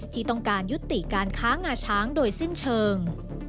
ที่ต้องการยุติการค้างาช้างโดยสิ้นเชิง